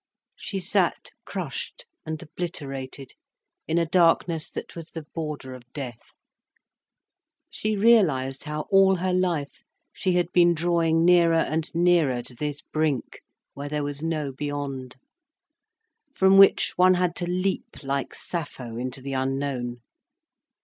She sat crushed and obliterated in a darkness that was the border of death. She realised how all her life she had been drawing nearer and nearer to this brink, where there was no beyond, from which one had to leap like Sappho into the unknown.